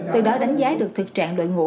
từ đó đánh giá được thực trạng đội ngũ